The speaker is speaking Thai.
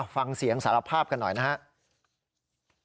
ฟังเสียงสารภาพกันหน่อยนะครับ